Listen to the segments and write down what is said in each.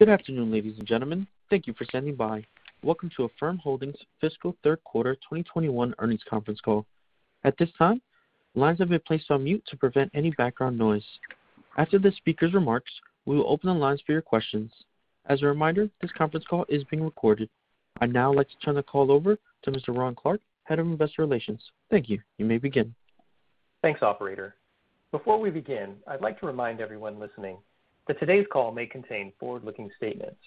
Good afternoon, ladies and gentlemen. Thank you for standing by. Welcome to Affirm Holdings fiscal Q3 2021 earnings conference call. At this time, lines have been placed on mute to prevent any background noise. After the speakers' remarks, we will open the lines for your questions. As a reminder, this conference call is being recorded. I'd now like to turn the call over to Mr. Ron Clark, Head of Investor Relations. Thank you. You may begin. Thanks, operator. Before we begin, I'd like to remind everyone listening that today's call may contain forward-looking statements.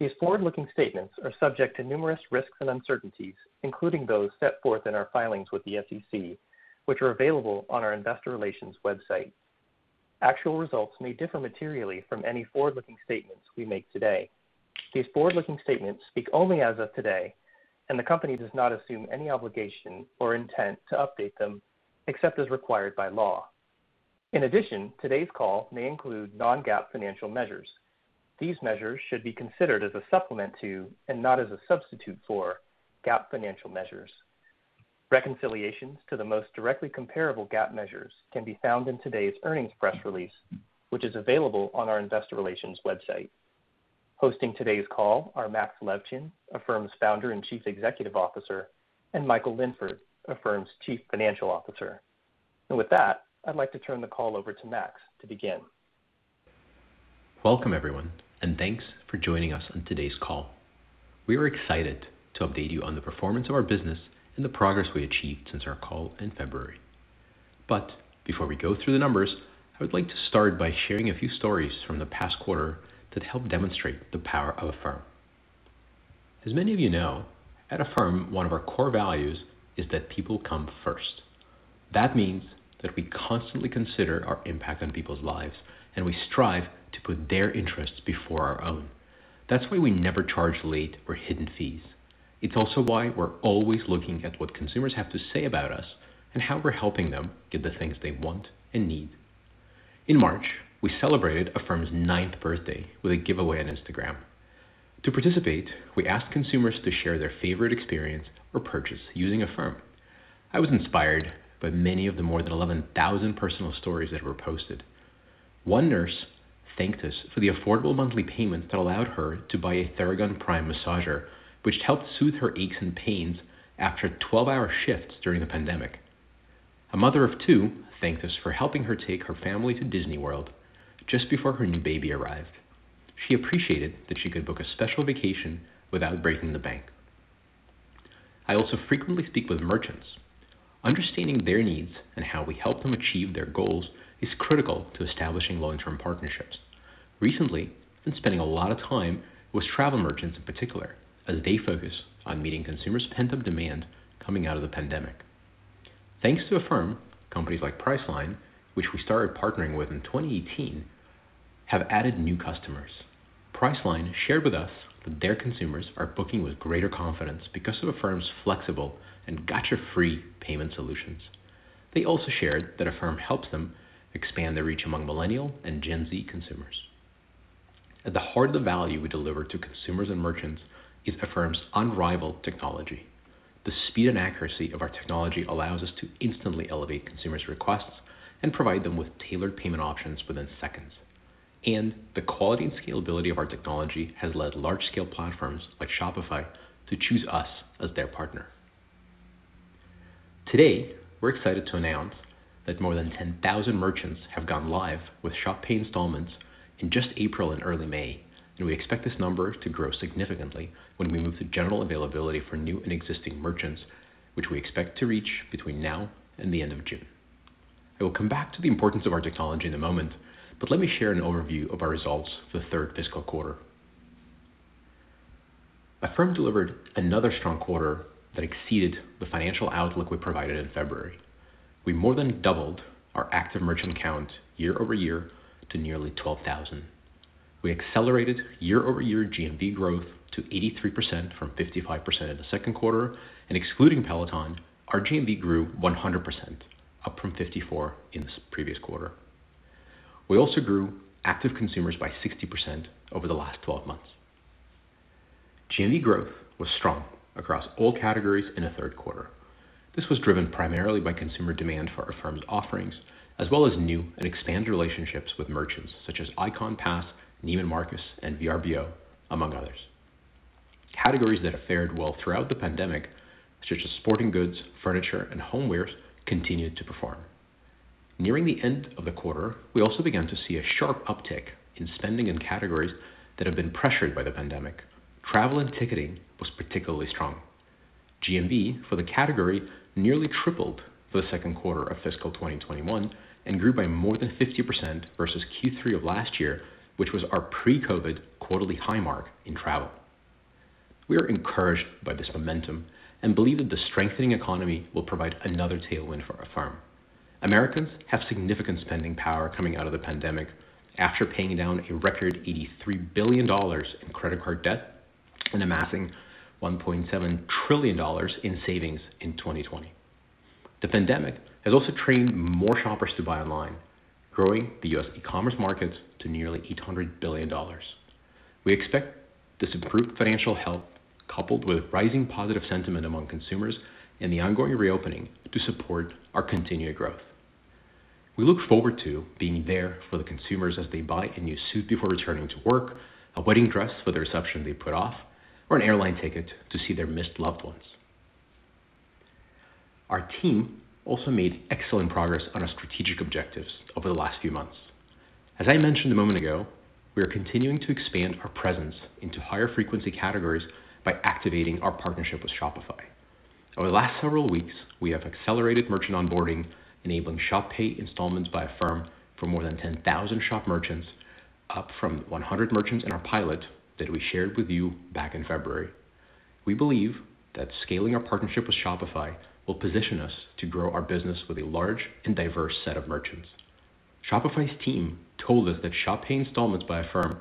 These forward-looking statements are subject to numerous risks and uncertainties, including those set forth in our filings with the SEC, which are available on our investor relations website. Actual results may differ materially from any forward-looking statements we make today. These forward-looking statements speak only as of today, and the company does not assume any obligation or intent to update them except as required by law. In addition, today's call may include non-GAAP financial measures. These measures should be considered as a supplement to, and not as a substitute for, GAAP financial measures. Reconciliations to the most directly comparable GAAP measures can be found in today's earnings press release, which is available on our investor relations website. Hosting today's call are Max Levchin, Affirm's Founder and Chief Executive Officer, and Michael Linford, Affirm's Chief Financial Officer. With that, I'd like to turn the call over to Max to begin. Welcome, everyone, and thanks for joining us on today's call. We are excited to update you on the performance of our business and the progress we achieved since our call in February. Before we go through the numbers, I would like to start by sharing a few stories from the past quarter that help demonstrate the power of Affirm. As many of you know, at Affirm, one of our core values is that people come first. That means that we constantly consider our impact on people's lives, and we strive to put their interests before our own. That's why we never charge late or hidden fees. It's also why we're always looking at what consumers have to say about us and how we're helping them get the things they want and need. In March, we celebrated Affirm's ninth birthday with a giveaway on Instagram. To participate, we asked consumers to share their favorite experience or purchase using Affirm. I was inspired by many of the more than 11,000 personal stories that were posted. One nurse thanked us for the affordable monthly payments that allowed her to buy a Theragun Prime massager, which helped soothe her aches and pains after 12-hour shifts during the pandemic. A mother of two thanked us for helping her take her family to Disney World just before her new baby arrived. She appreciated that she could book a special vacation without breaking the bank. I also frequently speak with merchants. Understanding their needs and how we help them achieve their goals is critical to establishing long-term partnerships. Recently, I've been spending a lot of time with travel merchants in particular, as they focus on meeting consumers' pent-up demand coming out of the pandemic. Thanks to Affirm, companies like Priceline, which we started partnering with in 2018, have added new customers. Priceline shared with us that their consumers are booking with greater confidence because of Affirm's flexible and gotcha-free payment solutions. They also shared that Affirm helps them expand their reach among Millennial and Gen Z consumers. At the heart of the value we deliver to consumers and merchants is Affirm's unrivaled technology. The speed and accuracy of our technology allows us to instantly elevate consumers' requests and provide them with tailored payment options within seconds, and the quality and scalability of our technology has led large-scale platforms like Shopify to choose us as their partner. Today, we're excited to announce that more than 10,000 merchants have gone live with Shop Pay Installments in just April and early May. We expect this number to grow significantly when we move to general availability for new and existing merchants, which we expect to reach between now and the end of June. I will come back to the importance of our technology in a moment. Let me share an overview of our results for the third fiscal quarter. Affirm delivered another strong quarter that exceeded the financial outlook we provided in February. We more than doubled our active merchant count year-over-year to nearly 12,000. We accelerated year-over-year GMV growth to 83% from 55% in the second quarter. Excluding Peloton, our GMV grew 100%, up from 54% in the previous quarter. We also grew active consumers by 60% over the last 12 months. GMV growth was strong across all categories in the Q3. This was driven primarily by consumer demand for Affirm's offerings, as well as new and expanded relationships with merchants such as Ikon Pass, Neiman Marcus, and Vrbo, among others. Categories that have fared well throughout the pandemic, such as sporting goods, furniture, and homewares, continued to perform. Nearing the end of the quarter, we also began to see a sharp uptick in spending in categories that have been pressured by the pandemic. Travel and ticketing was particularly strong. GMV for the category nearly tripled for the Q2 of fiscal 2021 and grew by more than 50% versus Q3 of last year, which was our pre-COVID quarterly high mark in travel. We are encouraged by this momentum and believe that the strengthening economy will provide another tailwind for Affirm. Americans have significant spending power coming out of the pandemic after paying down a record $83 billion in credit card debt and amassing $1.7 trillion in savings in 2020. The pandemic has also trained more shoppers to buy online, growing the U.S. e-commerce markets to nearly $800 billion. We expect this improved financial health, coupled with rising positive sentiment among consumers and the ongoing reopening, to support our continued growth. We look forward to being there for the consumers as they buy a new suit before returning to work, a wedding dress for the reception they put off, or an airline ticket to see their missed loved ones. Our team also made excellent progress on our strategic objectives over the last few months. As I mentioned a moment ago, we are continuing to expand our presence into higher frequency categories by activating our partnership with Shopify. Over the last several weeks, we have accelerated merchant onboarding, enabling Shop Pay Installments by Affirm for more than 10,000 Shop merchants, up from 100 merchants in our pilot that we shared with you back in February. We believe that scaling our partnership with Shopify will position us to grow our business with a large and diverse set of merchants. Shopify's team told us that Shop Pay Installments by Affirm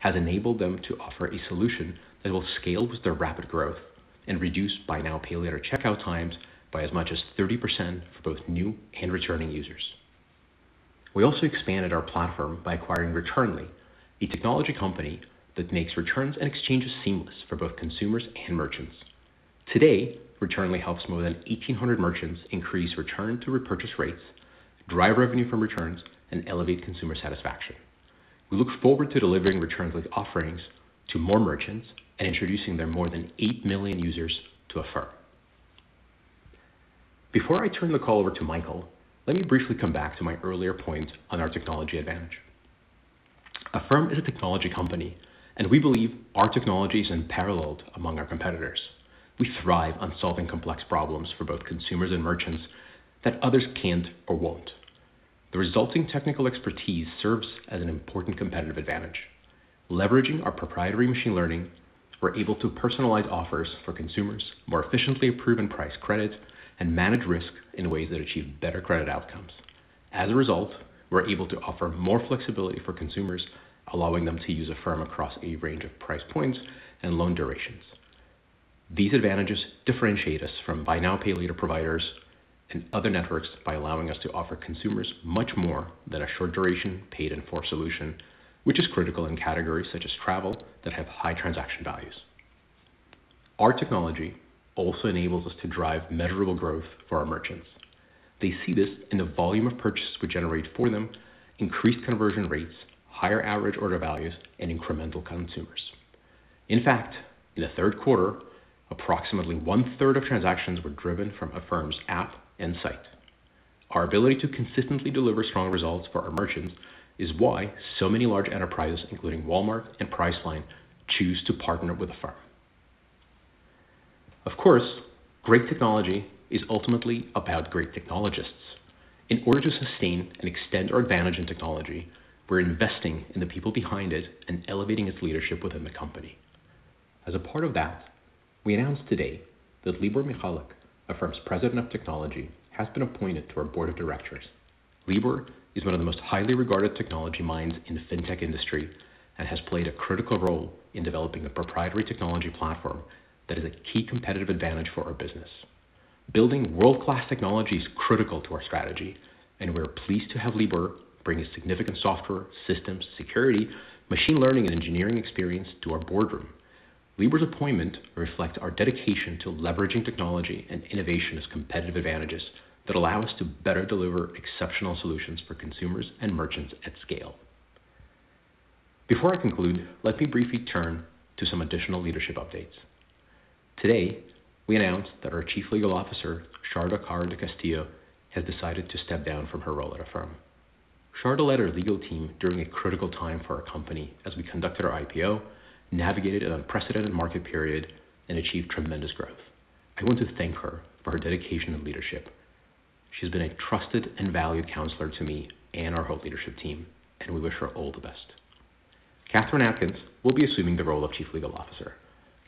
has enabled them to offer a solution that will scale with their rapid growth and reduce buy now, pay later checkout times by as much as 30% for both new and returning users. We also expanded our platform by acquiring Returnly, a technology company that makes returns and exchanges seamless for both consumers and merchants. Today, Returnly helps more than 1,800 merchants increase return to repurchase rates, drive revenue from returns, and elevate consumer satisfaction. We look forward to delivering Returnly's offerings to more merchants and introducing their more than 8 million users to Affirm. Before I turn the call over to Michael, let me briefly come back to my earlier point on our technology advantage. Affirm is a technology company, we believe our technology is unparalleled among our competitors. We thrive on solving complex problems for both consumers and merchants that others can't or won't. The resulting technical expertise serves as an important competitive advantage. Leveraging our proprietary machine learning, we're able to personalize offers for consumers, more efficiently approve and price credit, and manage risk in ways that achieve better credit outcomes. As a result, we're able to offer more flexibility for consumers, allowing them to use Affirm across a range of price points and loan durations. These advantages differentiate us from buy now, pay later providers and other networks by allowing us to offer consumers much more than a short duration paid in full solution, which is critical in categories such as travel that have high transaction values. Our technology also enables us to drive measurable growth for our merchants. They see this in the volume of purchases we generate for them, increased conversion rates, higher average order values, and incremental consumers. In fact, in the Q3, approximately one-third of transactions were driven from Affirm's app and site. Our ability to consistently deliver strong results for our merchants is why so many large enterprises, including Walmart and Priceline, choose to partner with Affirm. Of course, great technology is ultimately about great technologists. In order to sustain and extend our advantage in technology, we're investing in the people behind it and elevating its leadership within the company. As a part of that, we announced today that Libor Michalek, Affirm's President of Technology, has been appointed to our board of directors. Libor is one of the most highly regarded technology minds in the fintech industry and has played a critical role in developing the proprietary technology platform that is a key competitive advantage for our business. Building world-class technology is critical to our strategy, and we're pleased to have Libor bring his significant software, systems, security, machine learning, and engineering experience to our boardroom. Libor's appointment reflects our dedication to leveraging technology and innovation as competitive advantages that allow us to better deliver exceptional solutions for consumers and merchants at scale. Before I conclude, let me briefly turn to some additional leadership updates. Today, we announced that our Chief Legal Officer, Sharda Caro del Castillo, has decided to step down from her role at Affirm. Sharda led our legal team during a critical time for our company as we conducted our IPO, navigated an unprecedented market period, and achieved tremendous growth. I want to thank her for her dedication and leadership. She's been a trusted and valued counselor to me and our whole leadership team, and we wish her all the best. Katherine Adkins will be assuming the role of Chief Legal Officer.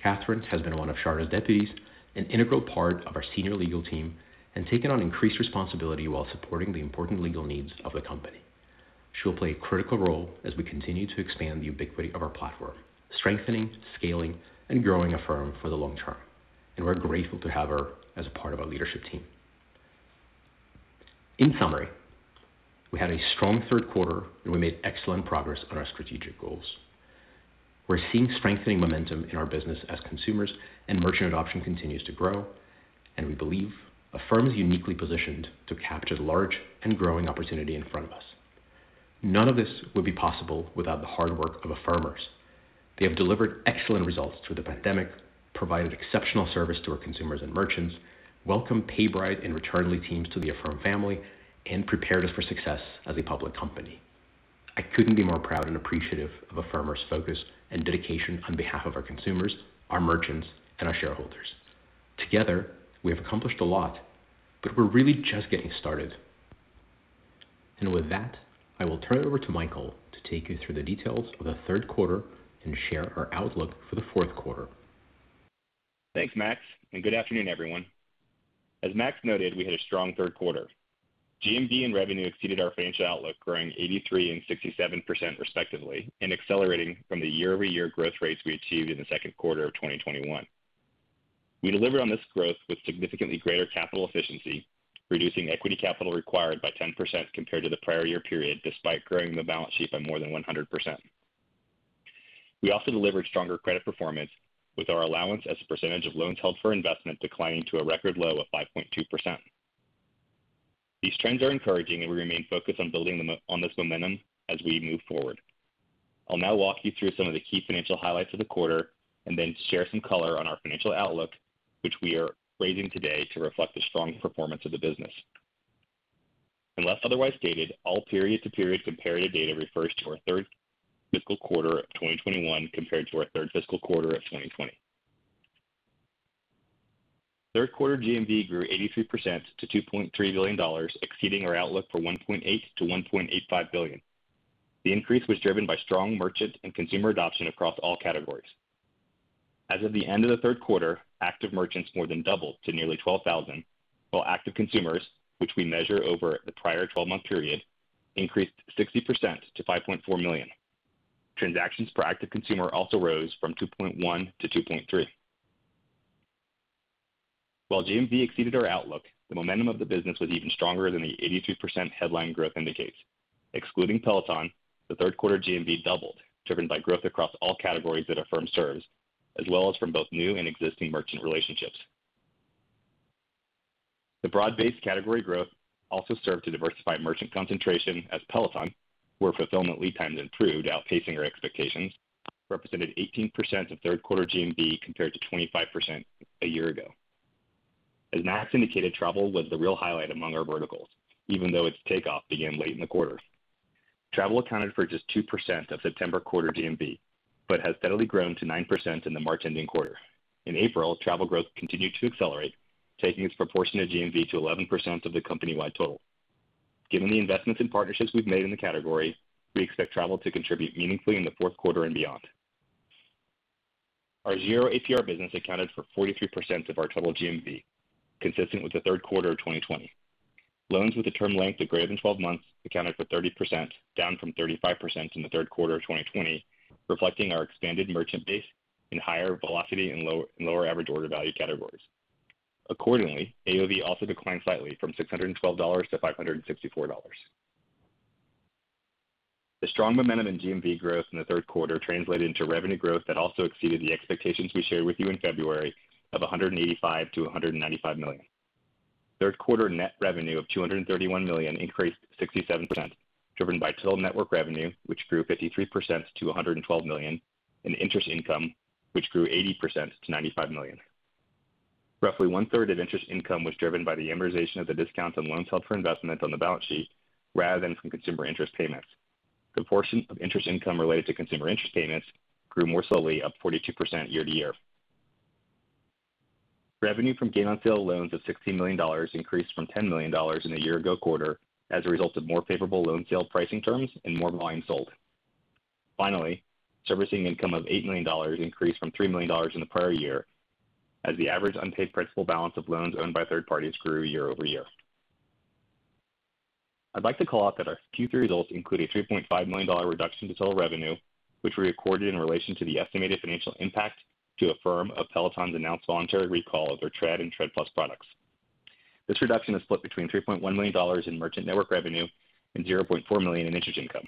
Katherine has been one of Sharda's deputies, an integral part of our senior legal team, and taken on increased responsibility while supporting the important legal needs of the company. She will play a critical role as we continue to expand the ubiquity of our platform, strengthening, scaling, and growing Affirm for the long term, and we're grateful to have her as a part of our leadership team. In summary, we had a strong third quarter, and we made excellent progress on our strategic goals. We're seeing strengthening momentum in our business as consumers and merchant adoption continues to grow, and we believe Affirm is uniquely positioned to capture the large and growing opportunity in front of us. None of this would be possible without the hard work of Affirmers. They have delivered excellent results through the pandemic, provided exceptional service to our consumers and merchants, welcomed PayBright and Returnly teams to the Affirm family, and prepared us for success as a public company. I couldn't be more proud and appreciative of Affirmers' focus and dedication on behalf of our consumers, our merchants, and our shareholders. Together, we have accomplished a lot, but we're really just getting started. With that, I will turn it over to Michael to take you through the details of the third quarter and share our outlook for the fourth quarter. Thanks, Max. Good afternoon, everyone. As Max noted, we had a strong Q3. GMV and revenue exceeded our financial outlook, growing 83% and 67% respectively, and accelerating from the year-over-year growth rates we achieved in the Q2 of 2021. We delivered on this growth with significantly greater capital efficiency, reducing equity capital required by 10% compared to the prior year period, despite growing the balance sheet by more than 100%. We also delivered stronger credit performance with our allowance as a percentage of loans held for investment declining to a record low of 5.2%. These trends are encouraging, and we remain focused on building on this momentum as we move forward. I'll now walk you through some of the key financial highlights of the quarter and then share some color on our financial outlook, which we are raising today to reflect the strong performance of the business. Unless otherwise stated, all period to period comparative data refers to our Q3 of 2021 compared to our Q3 of 2020. Third quarter GMV grew 83% to $2.3 billion, exceeding our outlook for $1.8 billion-$1.85 billion. The increase was driven by strong merchant and consumer adoption across all categories. As of the end of Q3, active merchants more than doubled to nearly 12,000. While active consumers, which we measure over the prior 12-month period, increased 60% to 5.4 million. Transactions per active consumer also rose from 2.1-2.3. While GMV exceeded our outlook, the momentum of the business was even stronger than the 82% headline growth indicates. Excluding Peloton, the third quarter GMV doubled, driven by growth across all categories that Affirm serves, as well as from both new and existing merchant relationships. The broad-based category growth also served to diversify merchant concentration as Peloton, where fulfillment lead times improved, outpacing our expectations, represented 18% of Q3 GMV compared to 25% a year ago. As Max indicated, travel was the real highlight among our verticals, even though its takeoff began late in the quarter. Travel accounted for just 2% of September quarter GMV, but has steadily grown to 9% in the March ending quarter. In April, travel growth continued to accelerate, taking its proportion of GMV to 11% of the company-wide total. Given the investments and partnerships we've made in the category, we expect travel to contribute meaningfully in the Q4 and beyond. Our zero APR business accounted for 43% of our total GMV, consistent with the Q3 of 2020. Loans with a term length of greater than 12 months accounted for 30%, down from 35% in Q3 of 2020, reflecting our expanded merchant base in higher velocity and lower average order value categories. Accordingly, AOV also declined slightly from $612 - $564. The strong momentum in GMV growth in Q3 translated into revenue growth that also exceeded the expectations we shared with you in February of $185 million - $195 million. Q3 net revenue of $231 million increased 67%, driven by total network revenue, which grew 53% - $112 million, and interest income, which grew 80% - $95 million. Roughly one-third of interest income was driven by the amortization of the discounts on loans held for investment on the balance sheet rather than from consumer interest payments. The portion of interest income related to consumer interest payments grew more slowly, up 42% year-over-year. Revenue from gain on sale loans of $16 million increased from $10 million in the year ago quarter as a result of more favorable loan sale pricing terms and more volume sold. Servicing income of $8 million increased from $3 million in the prior year as the average unpaid principal balance of loans owned by third parties grew year-over-year. I'd like to call out that our Q3 results include a $3.5 million reduction to total revenue, which we recorded in relation to the estimated financial impact to Affirm of Peloton's announced voluntary recall of their Tread and Tread+ products. This reduction is split between $3.1 million in merchant network revenue and $0.4 million in interest income.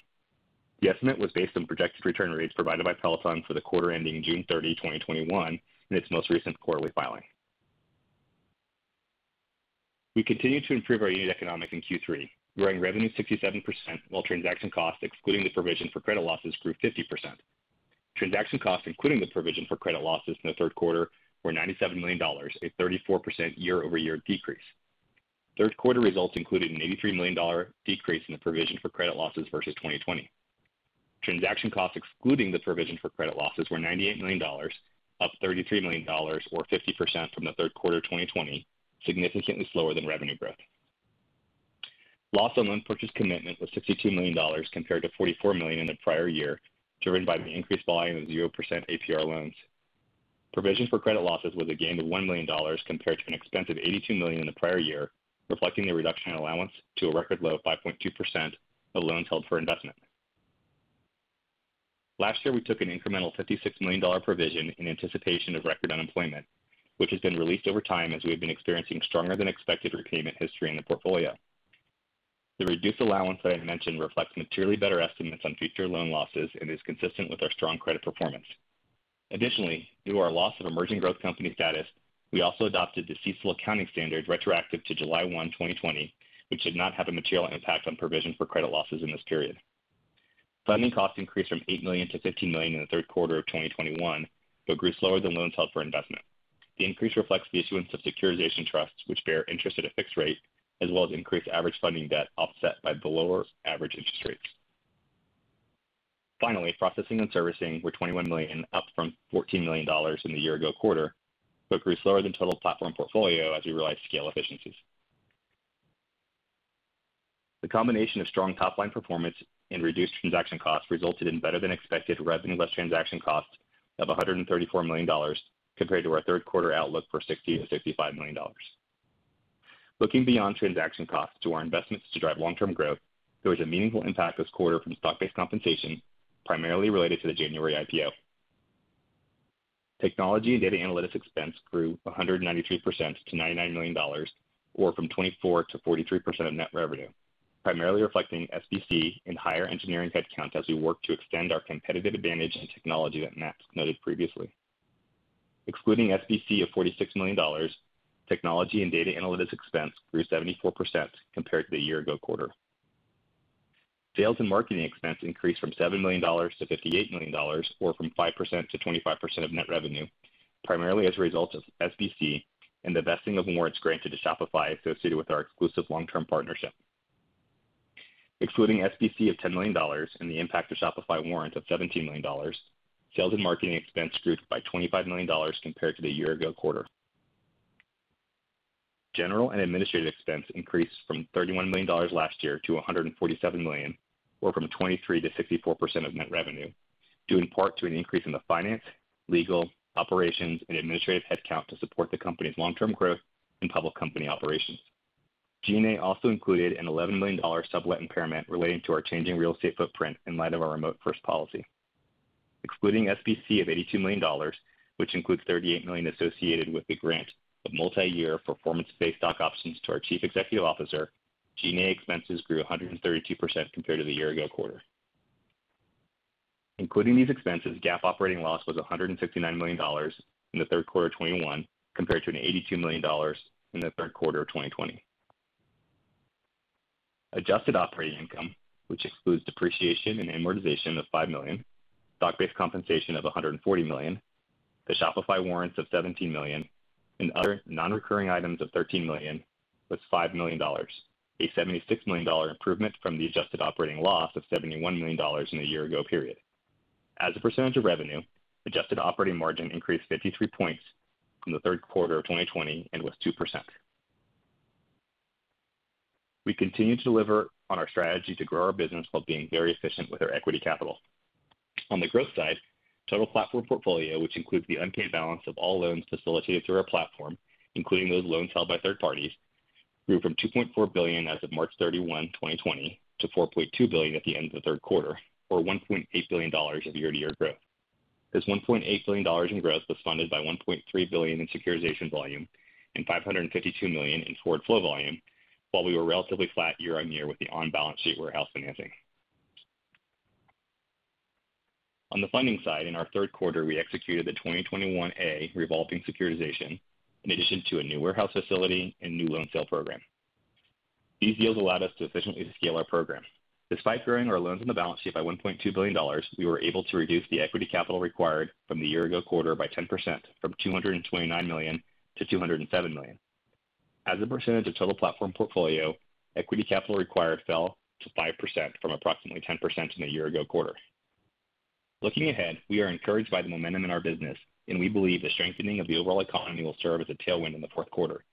The estimate was based on projected return rates provided by Peloton for the quarter ending June 30, 2021, in its most recent quarterly filing. We continue to improve our unit economics in Q3, growing revenue 67%, while transaction costs, excluding the provision for credit losses, grew 50%. Transaction costs, including the provision for credit losses in Q3, were $97 million, a 34% year-over-year decrease. Q3 results included an $83 million decrease in the provision for credit losses versus 2020. Transaction costs excluding the provision for credit losses were $98 million, up $33 million or 50% from the Q3 2020, significantly slower than revenue growth. Loss on loan purchase commitment was $62 million compared to $44 million in the prior year, driven by the increased volume of 0% APR loans. Provision for credit losses was a gain of $1 million compared to an expense of $82 million in the prior year, reflecting a reduction in allowance to a record low of 5.2% of loans held for investment. Last year, we took an incremental $56 million provision in anticipation of record unemployment, which has been released over time as we have been experiencing stronger than expected repayment history in the portfolio. The reduced allowance that I mentioned reflects materially better estimates on future loan losses and is consistent with our strong credit performance. Additionally, due to our loss of emerging growth company status, we also adopted the CECL accounting standard retroactive to July 1, 2020, which did not have a material impact on provision for credit losses in this period. Funding costs increased from $8 million to $15 million in Q3 of 2021, but grew slower than loans held for investment. The increase reflects the issuance of securitization trusts, which bear interest at a fixed rate, as well as increased average funding debt offset by the lower average interest rates. Finally, processing and servicing were $21 million, up from $14 million in the year ago quarter, but grew slower than total platform portfolio as we realized scale efficiencies. The combination of strong top-line performance and reduced transaction costs resulted in better than expected revenue less transaction costs of $134 million compared to our Q3 outlook for $60 million-$65 million. Looking beyond transaction costs to our investments to drive long-term growth, there was a meaningful impact this quarter from stock-based compensation, primarily related to the January IPO. Technology and data analytics expense grew 193% - $99 million, or from 24%-43% of net revenue, primarily reflecting SBC and higher engineering headcounts as we work to extend our competitive advantage in technology that Max noted previously. Excluding SBC of $46 million, technology and data analytics expense grew 74% compared to the year ago quarter. Sales and marketing expense increased from $7 million-$58 million, or from 5%-25% of net revenue, primarily as a result of SBC and the vesting of warrants granted to Shopify associated with our exclusive long-term partnership. Excluding SBC of $10 million and the impact of Shopify warrant of $17 million, sales and marketing expense grew by $25 million compared to the year ago quarter. General and administrative expense increased from $31 million last year-$147 million, or from 23%-64% of net revenue, due in part to an increase in the finance, legal, operations, and administrative headcount to support the company's long-term growth and public company operations. G&A also included an $11 million sublet impairment relating to our changing real estate footprint in light of our remote first policy. Excluding SBC of $82 million, which includes $38 million associated with the grant of multi-year performance-based stock options to our Chief Executive Officer, G&A expenses grew 132% compared to the year ago quarter. Including these expenses, GAAP operating loss was $169 million in Q3 of 2021, compared to an $82 million in the third quarter of 2020. Adjusted operating income, which excludes depreciation and amortization of $5 million, stock-based compensation of $140 million, the Shopify warrants of $17 million, and other non-recurring items of $13 million, was $5 million. A $76 million improvement from the adjusted operating loss of $71 million in the year ago period. As a percentage of revenue, adjusted operating margin increased 53 points from Q3 of 2020 and was 2%. We continue to deliver on our strategy to grow our business while being very efficient with our equity capital. On the growth side, total platform portfolio, which includes the unpaid balance of all loans facilitated through our platform, including those loans held by third parties, grew from $2.4 billion as of March 31, 2020, to $4.2 billion at the end of the Q3, or $1.8 billion of year-to-year growth. This $1.8 billion in growth was funded by $1.3 billion in securitization volume and $552 million in forward flow volume, while we were relatively flat year-on-year with the on-balance sheet warehouse financing. On the funding side, in our third quarter, we executed the 2021A revolving securitization in addition to a new warehouse facility and new loan sale program. These deals allowed us to efficiently scale our program. Despite growing our loans on the balance sheet by $1.2 billion, we were able to reduce the equity capital required from the year ago quarter by 10%, from $229 million - $207 million. As a percentage of total platform portfolio, equity capital required fell to 5% from approximately 10% in the year ago quarter. Looking ahead, we are encouraged by the momentum in our business, and we believe the strengthening of the overall economy will serve as a tailwind in the fourth quarter.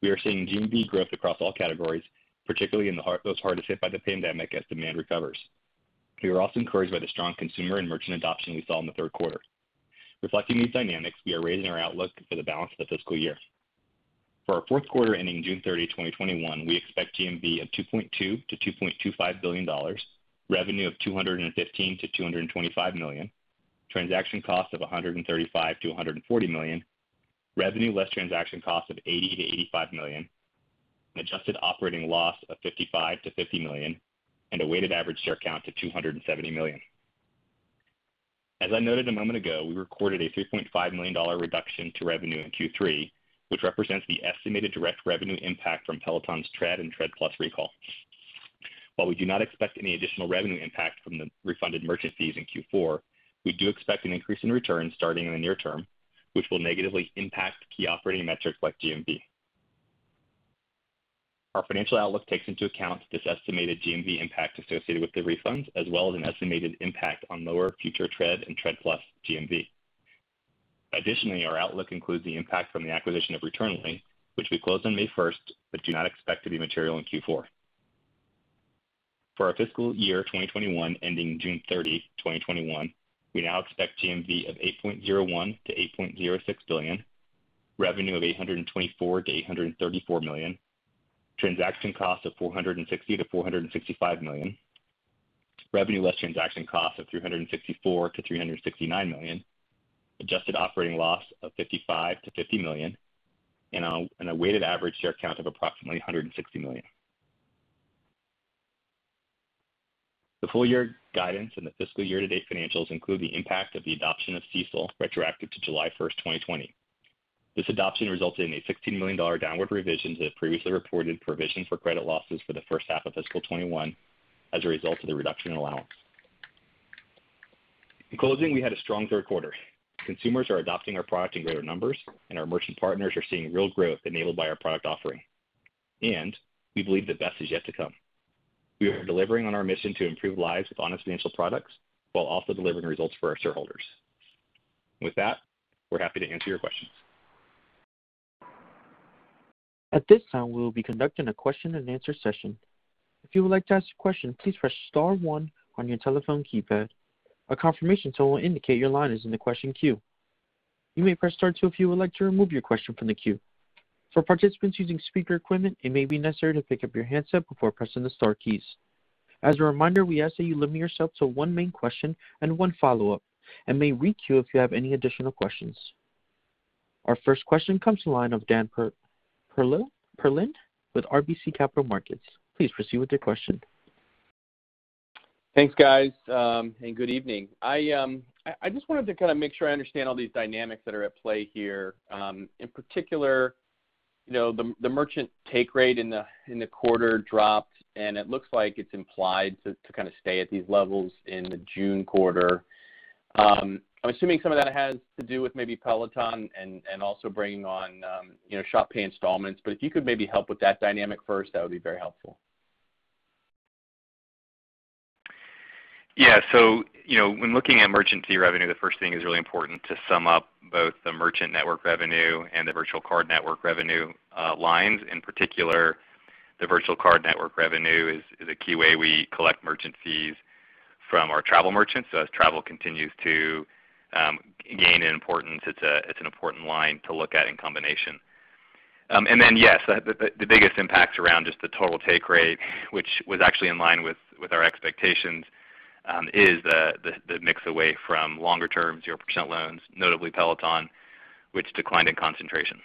We are seeing GMV growth across all categories, particularly in those hardest hit by the pandemic as demand recovers. We are also encouraged by the strong consumer and merchant adoption we saw in the third quarter. Reflecting these dynamics, we are raising our outlook for the balance of the fiscal year. For our Q4 ending June 30, 2021, we expect GMV of $2.2 billion-$2.25 billion, revenue of $215 million-$225 million, transaction cost of $135 million-$140 million, revenue less transaction cost of $80 million-$85 million, adjusted operating loss of $55 million-$50 million, and a weighted average share count to 270 million. As I noted a moment ago, we recorded a $3.5 million reduction to revenue in Q3, which represents the estimated direct revenue impact from Peloton's Tread and Tread+ recall. While we do not expect any additional revenue impact from the refunded merchant fees in Q4, we do expect an increase in returns starting in the near term, which will negatively impact key operating metrics like GMV. Our financial outlook takes into account this estimated GMV impact associated with the refunds, as well as an estimated impact on lower future Tread and Tread+ GMV. Additionally, our outlook includes the impact from the acquisition of Returnly, which we closed on May 1st, but do not expect to be material in Q4. For our fiscal year 2021 ending June 30, 2021, we now expect GMV of $8.01 billion-$8.06 billion, revenue of $824 million-$834 million, transaction cost of $460 million-$465 million, revenue less transaction cost of $364 million-$369 million, adjusted operating loss of $55 million-$50 million, and a weighted average share count of approximately 160 million. The full year guidance and the fiscal year to date financials include the impact of the adoption of CECL retroactive to July 1st, 2020. This adoption resulted in a $16 million downward revision to the previously reported provision for credit losses for the H1 of fiscal 2021 as a result of the reduction in allowance. In closing, we had a strong third quarter. Consumers are adopting our product in greater numbers, and our merchant partners are seeing real growth enabled by our product offering. We believe the best is yet to come. We are delivering on our mission to improve lives with honest financial products while also delivering results for our shareholders. With that, we're happy to answer your questions. Our first question comes to the line of Dan Perlin with RBC Capital Markets. Please proceed with your question. Thanks, guys, and good evening. I just wanted to make sure I understand all these dynamics that are at play here. In particular, the merchant take rate in the quarter dropped, and it looks like it's implied to stay at these levels in the June quarter. I'm assuming some of that has to do with maybe Peloton and also bringing on Shop Pay Installments. If you could maybe help with that dynamic first, that would be very helpful. When looking at merchant fee revenue, the first thing is really important to sum up both the merchant network revenue and the virtual card network revenue lines. In particular, the virtual card network revenue is a key way we collect merchant fees from our travel merchants. As travel continues to gain in importance, it's an important line to look at in combination. The biggest impact around just the total take rate, which was actually in line with our expectations, is the mix away from longer-term 0% loans, notably Peloton, which declined in concentration.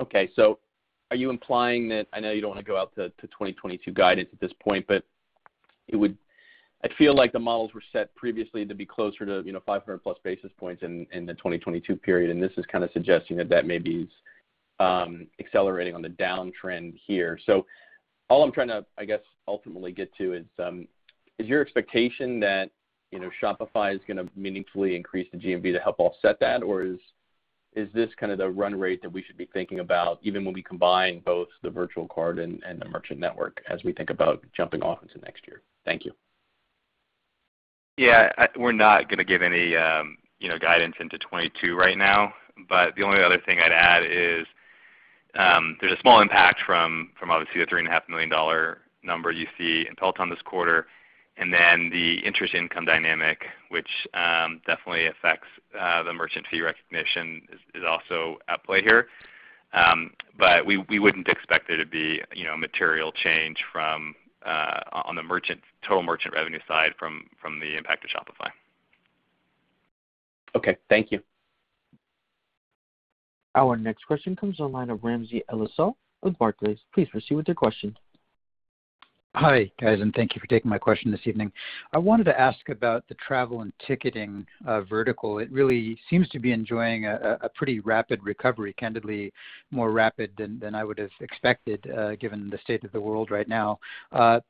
Okay. Are you implying that, I know you don't want to go out to 2022 guidance at this point, but I feel like the models were set previously to be closer to 500-plus basis points in the 2022 period, and this is kind of suggesting that that may be accelerating on the downtrend here. All I'm trying to, I guess, ultimately get to is your expectation that Shopify is going to meaningfully increase the GMV to help offset that, or is this kind of the run rate that we should be thinking about even when we combine both the virtual card and the merchant network as we think about jumping off into next year? Thank you. Yeah. We're not going to give any guidance into 2022 right now. The only other thing I'd add is there's a small impact from obviously the $3.5 million number you see in Peloton this quarter. The interest income dynamic, which definitely affects the merchant fee recognition, is also at play here. We wouldn't expect there to be a material change on the total merchant revenue side from the impact of Shopify. Okay. Thank you. Our next question comes on the line of Ramsey El-Assal with Barclays. Please proceed with your question. Hi, guys, thank you for taking my question this evening. I wanted to ask about the travel and ticketing vertical. It really seems to be enjoying a pretty rapid recovery, candidly, more rapid than I would have expected given the state of the world right now.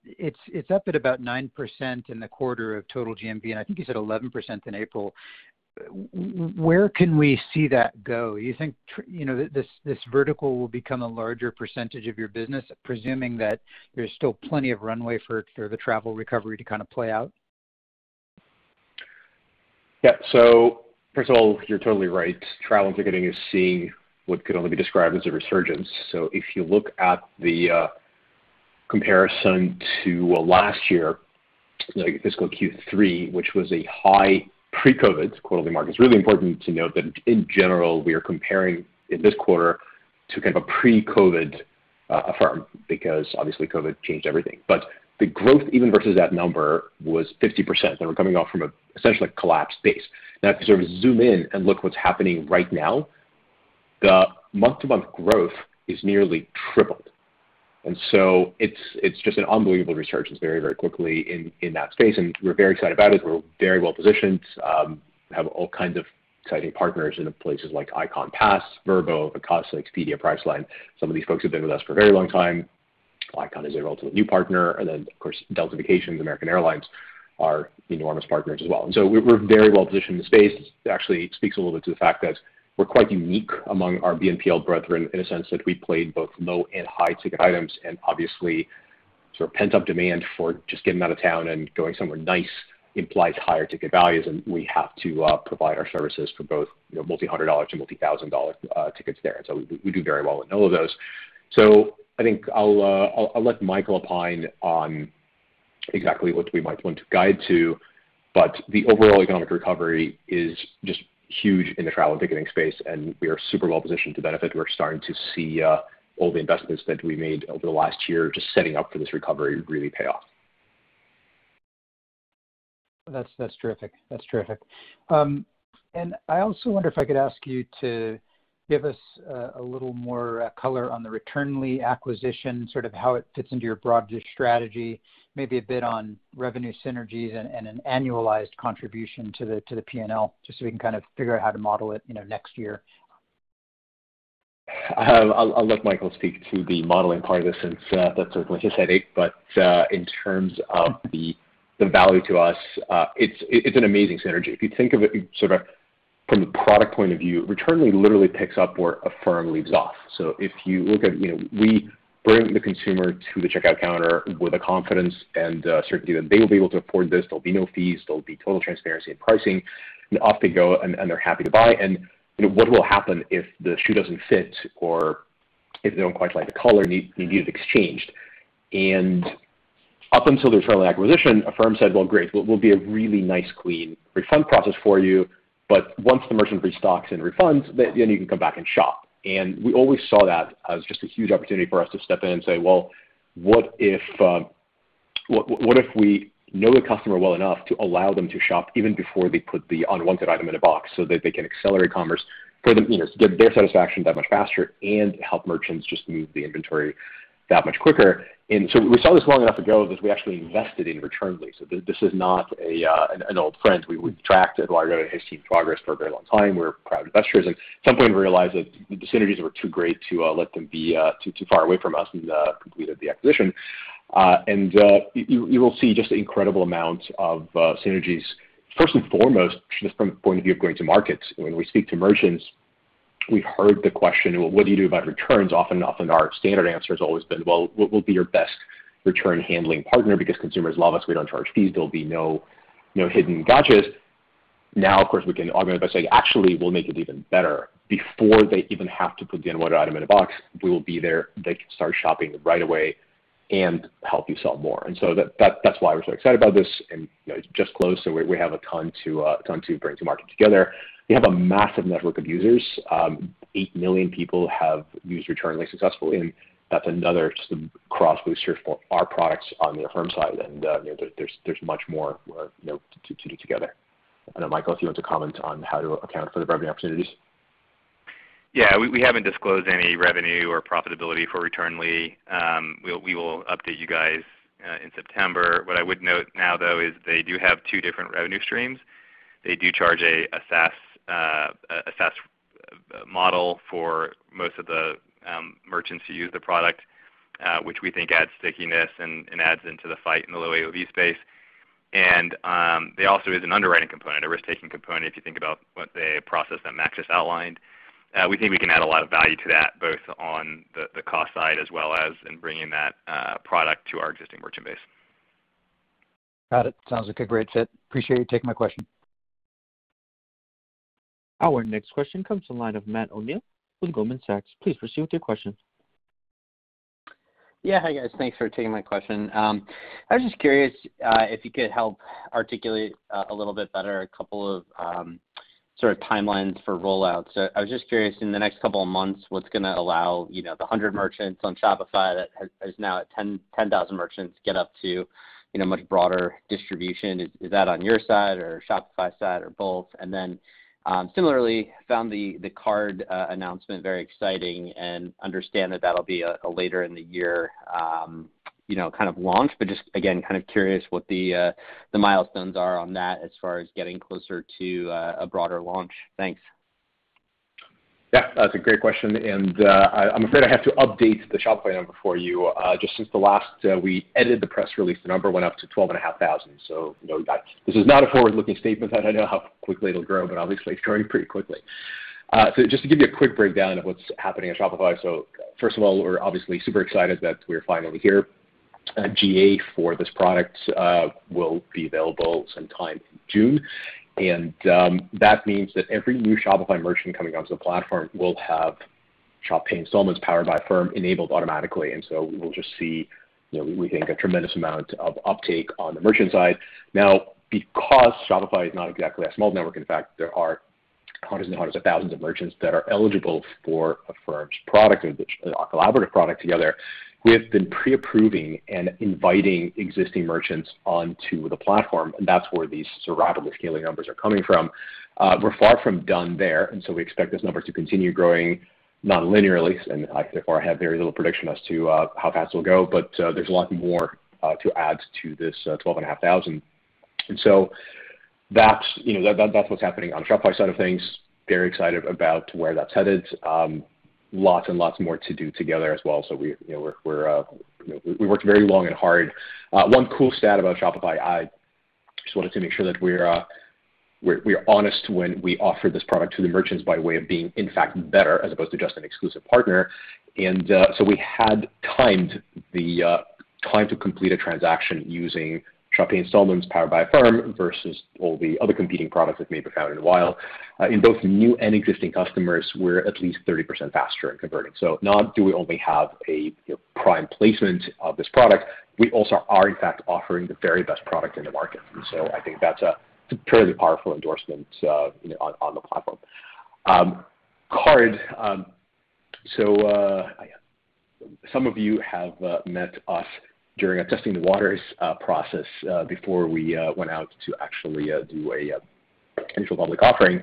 It's up at about 9% in the quarter of total GMV. I think you said 11% in April. Where can we see that go? You think this vertical will become a larger percentage of your business, presuming that there's still plenty of runway for the travel recovery to play out? Yeah. First of all, you're totally right. Travel and ticketing is seeing what could only be described as a resurgence. If you look at the comparison to last year, fiscal Q3, which was a high pre-COVID quarterly market. It's really important to note that in general, we are comparing this quarter to kind of a pre-COVID Affirm because obviously COVID changed everything. The growth, even versus that number, was 50%, and we're coming off from essentially a collapsed base. Now to sort of zoom in and look at what's happening right now, the month-to-month growth is nearly tripled. It's just an unbelievable resurgence very, very quickly in that space, and we're very excited about it. We're very well positioned. We have all kinds of exciting partners into places like Ikon Pass, Vrbo, Vacasa, Expedia, Priceline. Some of these folks who've been with us for a very long time. Ikon Pass is a relatively new partner. Of course, Delta Vacations, American Airlines are enormous partners as well. We're very well positioned in the space. It actually speaks a little bit to the fact that we're quite unique among our BNPL brethren in a sense that we play in both low and high ticket items. Obviously, sort of pent-up demand for just getting out of town and going somewhere nice implies higher ticket values, and we have to provide our services for both multi-hundred dollar to multi-thousand dollar tickets there. We do very well in all of those. I think I'll let Michael opine on exactly what we might want to guide to. The overall economic recovery is just huge in the travel and ticketing space, and we are super well positioned to benefit. We're starting to see all the investments that we made over the last year just setting up for this recovery really pay off. That's terrific. I also wonder if I could ask you to give us a little more color on the Returnly acquisition, sort of how it fits into your broader strategy. Maybe a bit on revenue synergies and an annualized contribution to the P&L, just so we can kind of figure out how to model it next year. I'll let Michael speak to the modeling part of this since that's sort of what you said, but in terms of the value to us, it's an amazing synergy. If you think of it sort of from the product point of view, Returnly literally picks up where Affirm leaves off. If you look at, we bring the consumer to the checkout counter with a confidence and certainty that they will be able to afford this. There'll be no fees. There'll be total transparency in pricing, and off they go, and they're happy to buy. What will happen if the shoe doesn't fit or if they don't quite like the color, need it exchanged? Up until the Returnly acquisition, Affirm said, Well, great. We'll be a really nice clean refund process for you, but once the merchant restocks and refunds, then you can come back and shop. We always saw that as just a huge opportunity for us to step in and say, Well, what if we know a customer well enough to allow them to shop even before they put the unwanted item in a box so that they can accelerate commerce for them, get their satisfaction that much faster, and help merchants just move the inventory that much quicker? We saw this long enough ago that we actually invested in Returnly. This is not an old friend. We tracked Eduardo and his team's progress for a very long time. We're proud investors, and at some point realized that the synergies were too great to let them be too far away from us, and completed the acquisition. You will see just incredible amounts of synergies first and foremost, just from the point of view of going to markets. When we speak to merchants, we've heard the question, Well, what do you do about returns? Often our standard answer has always been, Well, we'll be your best return handling partner because consumers love us. We don't charge fees. There'll be no hidden gotchas." Now, of course, we can augment it by saying, Actually, we'll make it even better. Before they even have to put the unwanted item in a box, we will be there. They can start shopping right away, and help you sell more." That's why we're so excited about this. It's just closed, so we have a ton to bring to market together. They have a massive network of users. 8 million people have used Returnly successfully, that's another just cross booster for our products on the Affirm side. There's much more to do together. I don't know, Michael, if you want to comment on how to account for the revenue opportunities. We haven't disclosed any revenue or profitability for Returnly. We will update you guys in September. What I would note now, though, is they do have two different revenue streams. They do charge a SaaS model for most of the merchants who use the product, which we think adds stickiness and adds into the fight in the low AOV space. There also is an underwriting component, a risk-taking component, if you think about the process that Max just outlined. We think we can add a lot of value to that, both on the cost side as well as in bringing that product to our existing merchant base. Got it. Sounds like a great fit. Appreciate you taking my question. Our next question comes from the line of Matt O'Neill from Goldman Sachs. Please proceed with your question. Yeah. Hi, guys. Thanks for taking my question. I was just curious if you could help articulate a little bit better a couple of sort of timelines for roll-outs. I was just curious, in the next couple of months, what's going to allow the 100 merchants on Shopify that is now at 10,000 merchants get up to much broader distribution? Is that on your side or Shopify's side or both? Similarly, found the card announcement very exciting and understand that that'll be a later in the year kind of launch, just again, kind of curious what the milestones are on that as far as getting closer to a broader launch. Thanks. Yeah. That's a great question, and I'm afraid I have to update the Shopify number for you. Just since the last we edited the press release, the number went up to 12,500. This is not a forward-looking statement. I don't know how quickly it'll grow, but obviously it's growing pretty quickly. Just to give you a quick breakdown of what's happening at Shopify. First of all, we're obviously super excited that we're finally here. GA for this product will be available sometime June, and that means that every new Shopify merchant coming onto the platform will have Shop Pay Installments powered by Affirm enabled automatically. We will just see, we think, a tremendous amount of uptake on the merchant side. Because Shopify is not exactly a small network, in fact, there are hundreds and hundreds of thousands of merchants that are eligible for Affirm's product or a collaborative product together. We have been pre-approving and inviting existing merchants onto the platform, that's where these sort of rapidly scaling numbers are coming from. We're far from done there, we expect this number to continue growing non-linearly, I have very little prediction as to how fast it'll go. There's a lot more to add to this 12,500. That's what's happening on the Shopify side of things. Very excited about where that's headed. Lots and lots more to do together as well. We worked very long and hard. One cool stat about Shopify, I just wanted to make sure that we are honest when we offer this product to the merchants by way of being, in fact, better as opposed to just an exclusive partner. We had timed the time to complete a transaction using Shop Pay Installments powered by Affirm versus all the other competing products that may be found in the wild. In both new and existing customers, we're at least 30% faster at converting. Not do we only have a prime placement of this product, we also are, in fact, offering the very best product in the market. I think that's a fairly powerful endorsement on the platform. Card. Some of you have met us during a testing the waters process before we went out to actually do a potential public offering.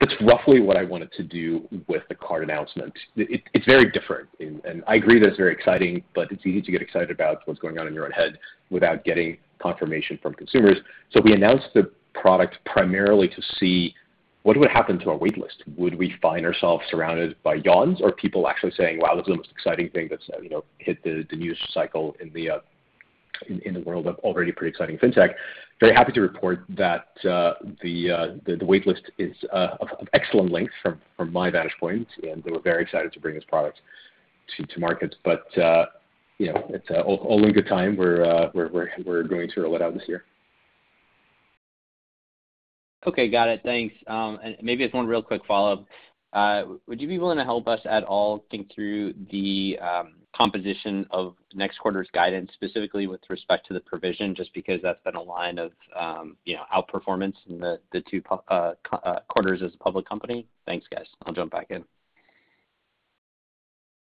That's roughly what I wanted to do with the card announcement. It's very different, and I agree that it's very exciting, but it's easy to get excited about what's going on in your own head without getting confirmation from consumers. We announced the product primarily to see what would happen to our wait list. Would we find ourselves surrounded by yawns or people actually saying, Wow, this is the most exciting thing that's hit the news cycle in the world of already pretty exciting fintech. Very happy to report that the wait list is of excellent length from my vantage point, and we're very excited to bring this product to market. It's all in good time. We're going to roll it out this year. Okay, got it. Thanks. Maybe just one real quick follow-up. Would you be willing to help us at all think through the composition of next quarter's guidance, specifically with respect to the provision, just because that's been a line of outperformance in the two quarters as a public company? Thanks, guys. I'll jump back in.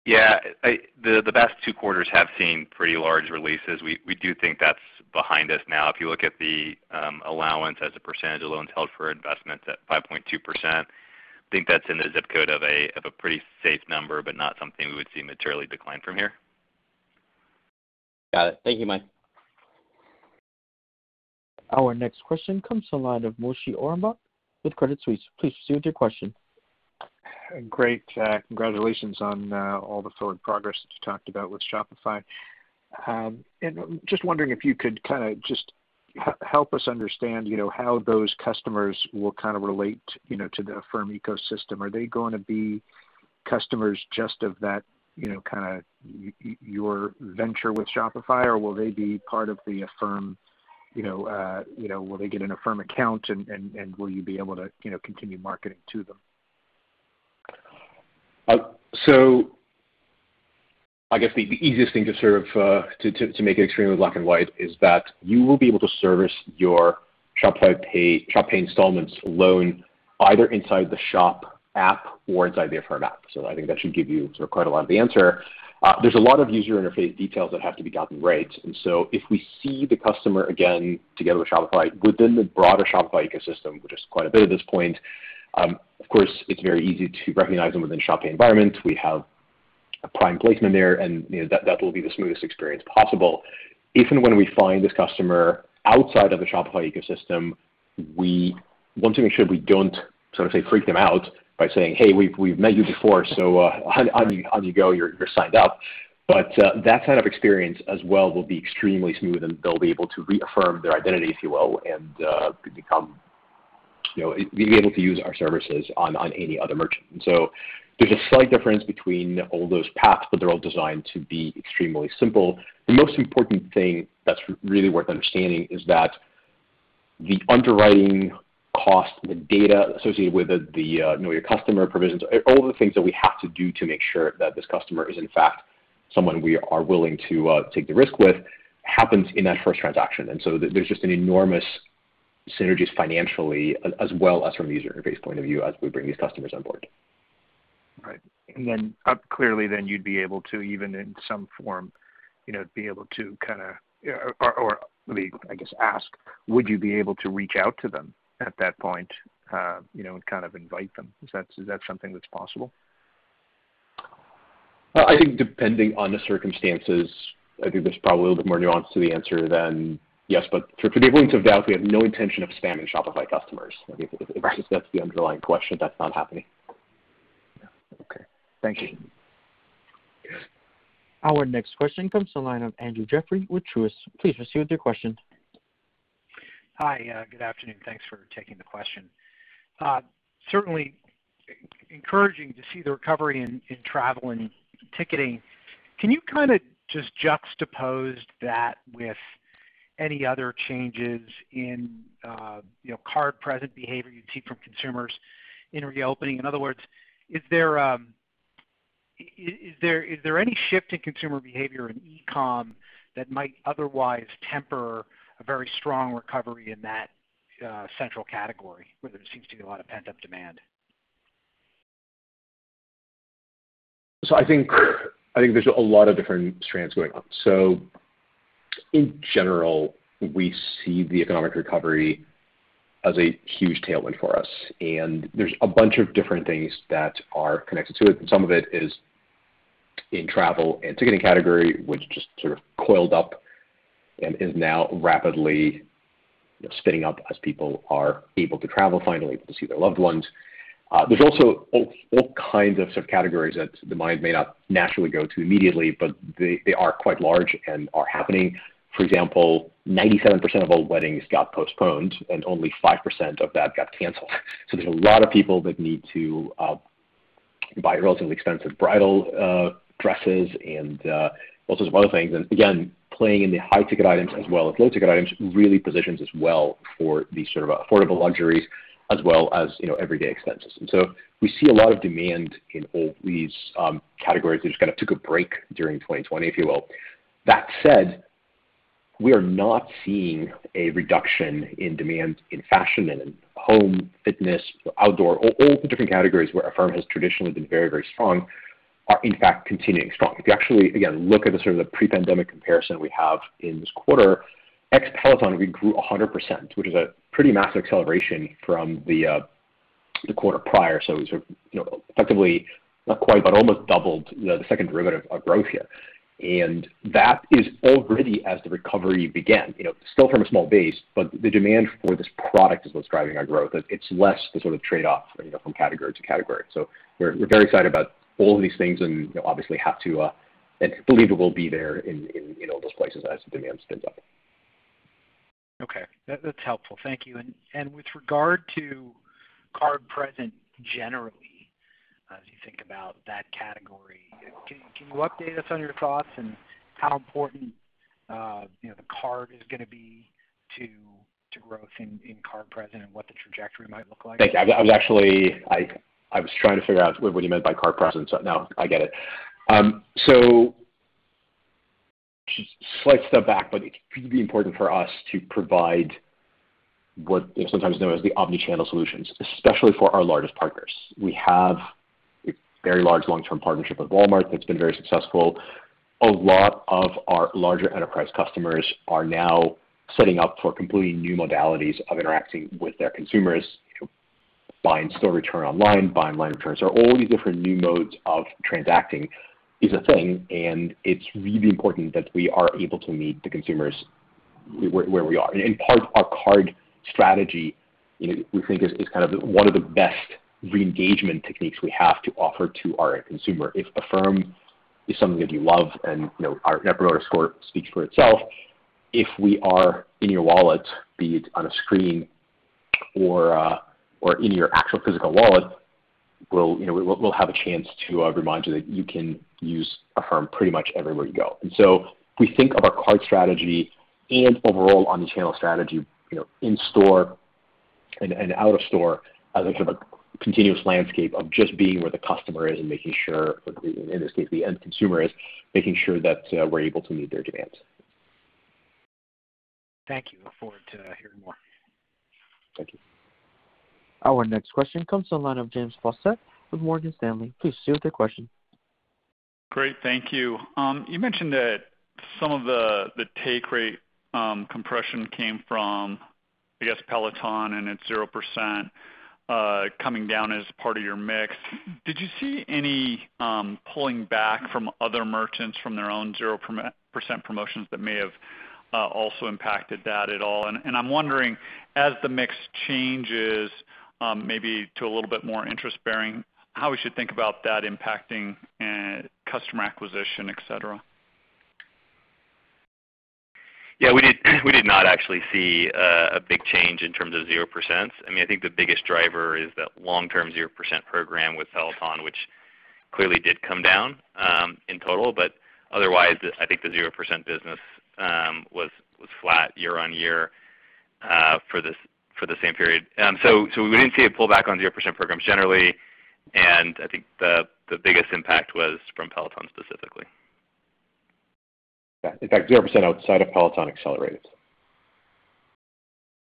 Yeah. The best two quarters have seen pretty large releases. We do think that's behind us now. If you look at the allowance as a percentage of loans held for investments at 5.2%, I think that's in the ZIP code of a pretty safe number, but not something we would see materially decline from here. Got it. Thank you, Mike. Our next question comes from the line of Moshe Orenbuch with Credit Suisse. Please proceed with your question. Great. Congratulations on all the forward progress that you talked about with Shopify. Just wondering if you could kind of just help us understand how those customers will kind of relate to the Affirm ecosystem. Are they going to be customers just of that kind of your venture with Shopify, or will they be part of the Affirm, will they get an Affirm account, and will you be able to continue marketing to them? I guess the easiest thing to sort of make it extremely black and white is that you will be able to service your Shop Pay Installments loan either inside the Shop app or inside the Affirm app. I think that should give you sort of quite a lot of the answer. There's a lot of user interface details that have to be gotten right. If we see the customer again together with Shopify within the broader Shopify ecosystem, which is quite a bit at this point, of course, it's very easy to recognize them within Shop Pay environment. We have a prime placement there, and that will be the smoothest experience possible. Even when we find this customer outside of the Shopify ecosystem, we want to make sure we don't sort of say freak them out by saying, Hey, we've met you before, so how'd you go? You're signed up. That kind of experience as well will be extremely smooth, and they'll be able to reaffirm their identity, if you will, and be able to use our services on any other merchant. There's a slight difference between all those paths, but they're all designed to be extremely simple. The most important thing that's really worth understanding is that the underwriting cost, the data associated with it, your customer provisions, all of the things that we have to do to make sure that this customer is in fact someone we are willing to take the risk with happens in that first transaction. There's just an enormous synergies financially as well as from a user interface point of view as we bring these customers on board. Right. Clearly then you'd be able to, even in some form, or let me, I guess, ask, would you be able to reach out to them at that point and kind of invite them? Is that something that's possible? I think depending on the circumstances, I think there's probably a little bit more nuance to the answer than yes. To be able to doubt, we have no intention of spamming Shopify customers. Right. If that's the underlying question, that's not happening. Yeah. Okay. Thank you. Our next question comes to the line of Andrew Jeffrey with Truist. Please proceed with your question. Hi. Good afternoon. Thanks for taking the question. Certainly encouraging to see the recovery in travel and ticketing. Can you kind of just juxtapose that with any other changes in card-present behavior you see from consumers in reopening? In other words, is there any shift in consumer behavior in e-com that might otherwise temper a very strong recovery in that central category where there seems to be a lot of pent-up demand? I think there's a lot of different strands going on. In general, we see the economic recovery as a huge tailwind for us, and there's a bunch of different things that are connected to it, and some of it is in travel and ticketing category, which just sort of coiled up and is now rapidly spinning up as people are able to travel finally to see their loved ones. There's also all kinds of subcategories that the mind may not naturally go to immediately, but they are quite large and are happening. For example, 97% of all weddings got postponed, and only 5% of that got canceled. There's a lot of people that need to buy relatively expensive bridal dresses and all sorts of other things. Again, playing in the high-ticket items as well as low-ticket items really positions us well for these sort of affordable luxuries as well as everyday expenses. We see a lot of demand in all these categories that just kind of took a break during 2020, if you will. That said, we are not seeing a reduction in demand in fashion and in home, fitness, outdoor. All the different categories where Affirm has traditionally been very, very strong are in fact continuing strong. If you actually, again, look at the sort of the pre-pandemic comparison we have in this quarter, ex Peloton, we grew 100%, which is a pretty massive acceleration from the quarter prior. Effectively, not quite, but almost doubled the second derivative of growth here. That is already as the recovery began. Still from a small base, but the demand for this product is what's driving our growth. It's less the sort of trade-off from category to category. We're very excited about all of these things and obviously have to, and believe we will be there in all those places as demand spins up. Okay. That's helpful. Thank you. With regard to card present generally. About that category. Can you update us on your thoughts and how important the card is going to be to growth in card present and what the trajectory might look like? Thank you. I was trying to figure out what you meant by card present, so now I get it. Just slight step back, but it's really important for us to provide what is sometimes known as the omni-channel solutions, especially for our largest partners. We have a very large long-term partnership with Walmart that's been very successful. A lot of our larger enterprise customers are now setting up for completely new modalities of interacting with their consumers. Buy in store, return online, buy online returns. There are all these different new modes of transacting is a thing, and it's really important that we are able to meet the consumers where we are. In part, our card strategy, we think is kind of one of the best re-engagement techniques we have to offer to our consumer. If Affirm is something that you love and our Net Promoter Score speaks for itself. If we are in your wallet, be it on a screen or in your actual physical wallet, we'll have a chance to remind you that you can use Affirm pretty much everywhere you go. We think of our card strategy and overall omni-channel strategy in store and out of store as a sort of a continuous landscape of just being where the customer is and making sure, in this case, the end consumer is, making sure that we're able to meet their demands. Thank you. Look forward to hearing more. Thank you. Our next question comes to the line of James Faucette with Morgan Stanley. Please proceed with your question. Great. Thank you. You mentioned that some of the take rate compression came from, I guess, Peloton and its 0% coming down as part of your mix. Did you see any pulling back from other merchants from their own 0% promotions that may have also impacted that at all? I'm wondering, as the mix changes maybe to a little bit more interest-bearing, how we should think about that impacting customer acquisition, et cetera. Yeah, we did not actually see a big change in terms of 0%. I think the biggest driver is that long-term 0% program with Peloton, which clearly did come down in total. Otherwise, I think the 0% business was flat year-on-year for the same period. We didn't see a pull back on 0% programs generally, and I think the biggest impact was from Peloton specifically. Yeah. In fact, 0% outside of Peloton accelerated.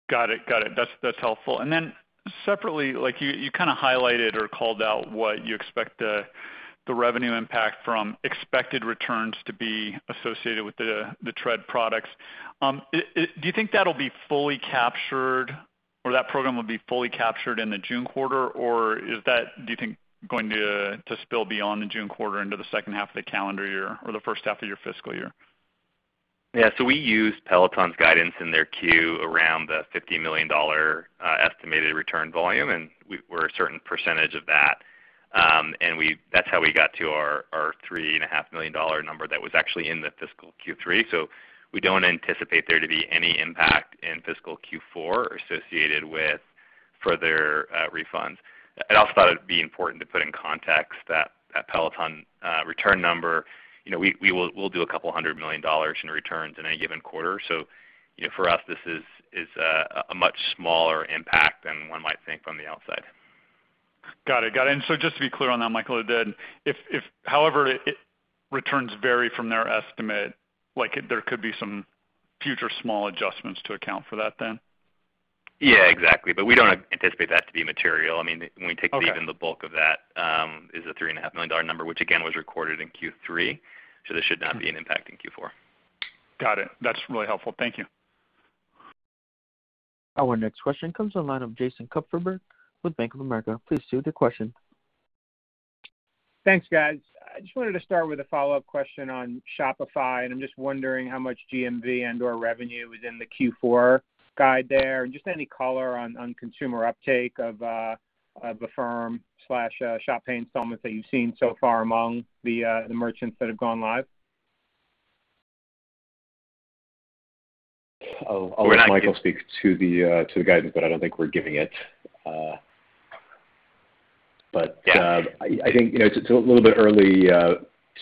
Got it. That's helpful. Separately, you kind of highlighted or called out what you expect the revenue impact from expected returns to be associated with the Tread products. Do you think that'll be fully captured, or that program will be fully captured in the June quarter? Is that, do you think, going to spill beyond the June quarter into the second half of the calendar year or H1 of your fiscal year? Yeah. We used Peloton's guidance in their Q around the $50 million estimated return volume, we're a certain percentage of that. That's how we got to our $3.5 million number that was actually in the fiscal Q3. We don't anticipate there to be any impact in fiscal Q4 associated with further refunds. I'd also thought it'd be important to put in context that Peloton return number. We'll do a couple hundred million dollars in returns in any given quarter. For us, this is a much smaller impact than one might think from the outside. Got it. Just to be clear on that, Michael, if however, returns vary from their estimate, there could be some future small adjustments to account for that then? Yeah, exactly. We don't anticipate that to be material. Okay. When we take even the bulk of that is a $3.5 million number, which again, was recorded in Q3. This should not be an impact in Q4. Got it. That's really helpful. Thank you. Our next question comes to the line of Jason Kupferberg with Bank of America. Please proceed with your question. Thanks, guys. I just wanted to start with a follow-up question on Shopify, I'm just wondering how much GMV and/or revenue is in the Q4 guide there, and just any color on consumer uptake of Affirm/Shop Pay Installments that you've seen so far among the merchants that have gone live. I'll let Michael speak to the guidance, but I don't think we're giving it. Yeah I think it's a little bit early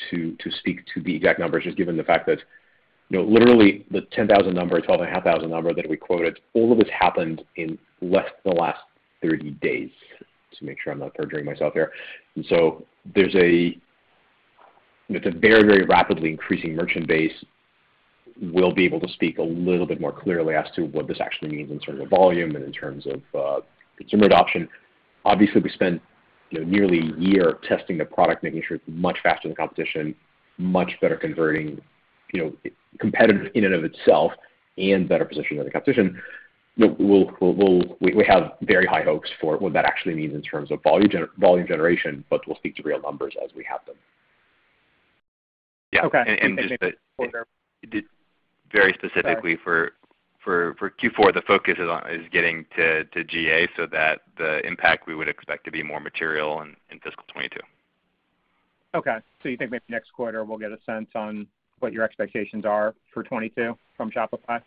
to speak to the exact numbers, just given the fact that literally the 10,000 number, 12,500 number that we quoted, all of this happened in less the last 30 days. Just make sure I'm not perjuring myself here. With a very rapidly increasing merchant base, we'll be able to speak a little bit more clearly as to what this actually means in terms of volume and in terms of consumer adoption. Obviously, we spent nearly a year testing the product, making sure it's much faster than the competition, much better converting, competitive in and of itself and better positioned than the competition. We have very high hopes for what that actually means in terms of volume generation, but we'll speak to real numbers as we have them. Okay. Just very specifically for Q4, the focus is on is getting to GA so that the impact we would expect to be more material in fiscal 2022. Okay. You think maybe next quarter we'll get a sense on what your expectations are for 2022 from Shopify?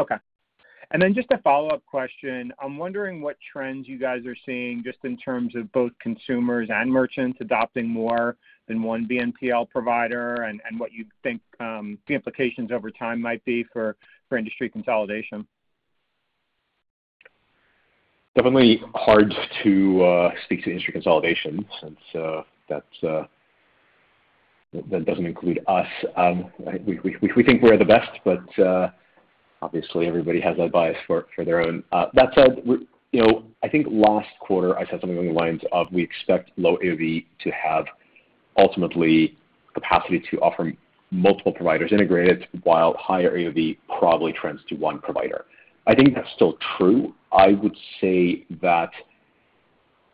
Okay. Just a follow-up question. I'm wondering what trends you guys are seeing just in terms of both consumers and merchants adopting more than one BNPL provider and what you think the implications over time might be for industry consolidation. Definitely hard to speak to industry consolidation since that doesn't include us. We think we're the best, but obviously everybody has that bias for their own. That said, I think last quarter I said something along the lines of we expect low AOV to have ultimately capacity to offer multiple providers integrated while higher AOV probably trends to one provider. I think that's still true. I would say that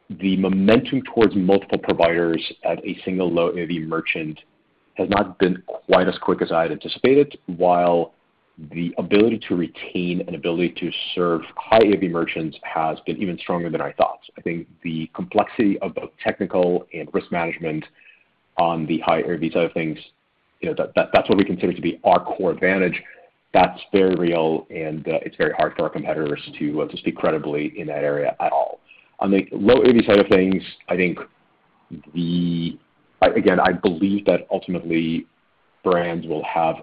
the momentum towards multiple providers at a single low AOV merchant has not been quite as quick as I had anticipated, while the ability to retain an ability to serve high AOV merchants has been even stronger than I thought. I think the complexity of both technical and risk management on the high AOV side of things, that's what we consider to be our core advantage. That's very real, and it's very hard for our competitors to speak credibly in that area at all. On the low AOV side of things, I think, again, I believe that ultimately brands will have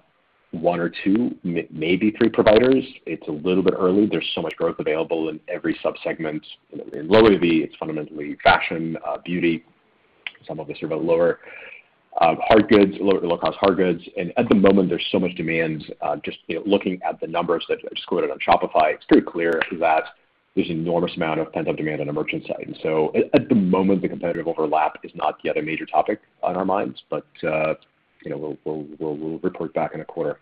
one or two, maybe three providers. It's a little bit early. There's so much growth available in every sub-segment. In low AOV, it's fundamentally fashion, beauty, some of the sort of lower hard goods, low-cost hard goods. At the moment, there's so much demand. Just looking at the numbers that I just quoted on Shopify, it's pretty clear that there's an enormous amount of pent-up demand on the merchant side. At the moment, the competitive overlap is not yet a major topic on our minds, but we'll report back in a quarter.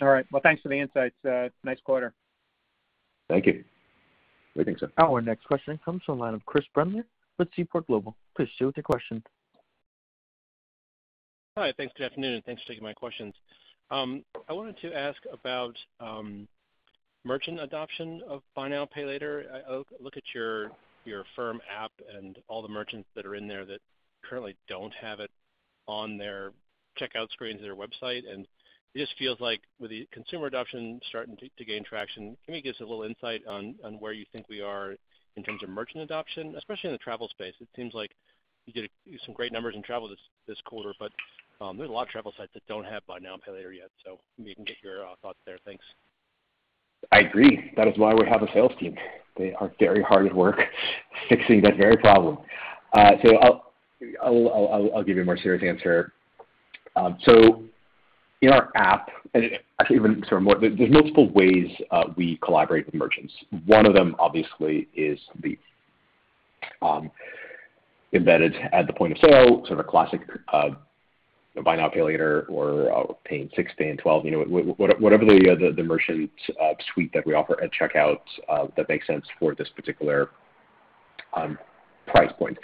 All right. Well, thanks for the insights. Nice quarter. Thank you. Great. Thanks. Our next question comes from the line of Chris Brendler with Seaport Global. Chris, share with your question. Hi, thanks. Good afternoon, thanks for taking my questions. I wanted to ask about merchant adoption of buy now, pay later. I look at your Affirm app and all the merchants that are in there that currently don't have it on their checkout screen to their website, it just feels like with the consumer adoption starting to gain traction, can you give us a little insight on where you think we are in terms of merchant adoption, especially in the travel space? It seems like you did some great numbers in travel this quarter, there's a lot of travel sites that don't have buy now, pay later yet. If you can get your thoughts there. Thanks. I agree. That is why we have a sales team. They are very hard at work fixing that very problem. I'll give you a more serious answer. In our app, and actually even sort of more, there's multiple ways we collaborate with merchants. One of them obviously is the embedded at the point-of-sale, sort of a classic buy now, pay later or pay in six, pay in 12. Whatever the merchant suite that we offer at checkout that makes sense for this particular price point.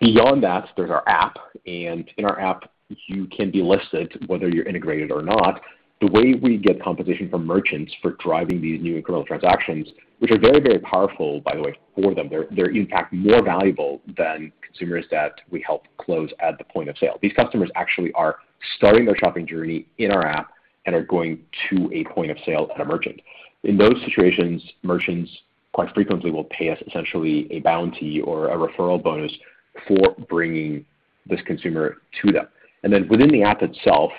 Beyond that, there's our app, and in our app, you can be listed whether you're integrated or not. The way we get compensation from merchants for driving these new incremental transactions, which are very, very powerful, by the way, for them. They're in fact more valuable than consumers that we help close at the point of sale. These customers actually are starting their shopping journey in our app and are going to a point of sale at a merchant. In those situations, merchants quite frequently will pay us essentially a bounty or a referral bonus for bringing this consumer to them. Within the app itself,